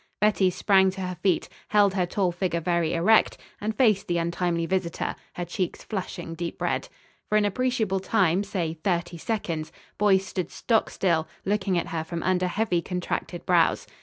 Betty sprang to her feet, held her tall figure very erect, and faced the untimely visitor, her cheeks flushing deep red. For an appreciable time, say, thirty seconds, Boyce stood stock still, looking at her from under heavy contracted brows.